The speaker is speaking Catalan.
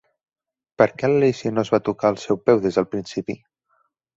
Per què l'Alícia no es va tocar el seu peu des del principi?